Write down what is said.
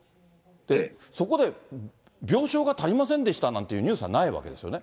そこで病床が足りませんでしたなんていうニュースはないわけですよね。